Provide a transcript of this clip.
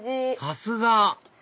さすが！